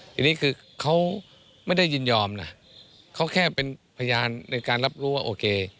ทีนี้คือเขาไม่ได้ยินยอมนะเขาแค่เป็นพยานในการรับรู้ว่าโอเค